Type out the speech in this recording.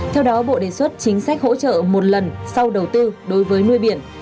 theo đó bộ đề xuất chính sách hỗ trợ một lần sau đầu tư đối với nuôi biển